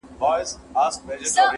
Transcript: موږكانو ته معلوم د پيشو زور وو!!